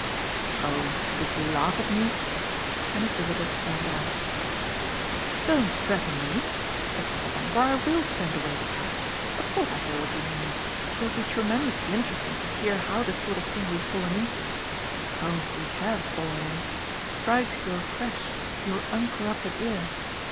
"Oh if you laugh at me !" And his visitor turned off. "Don't threaten me," said Vanderbank, "or I WILL send away the cab. Of course I know what you mean. It will be tremendously interesting to hear how the sort of thing we've fallen into oh we HAVE fallen in! strikes your fresh, your uncorrupted ear.